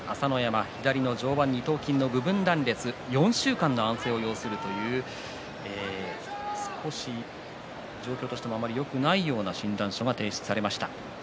左の上腕の二頭筋の部分断裂４週間の安静を要するという少し状況としてもあまりよくないような診断書が提出されました。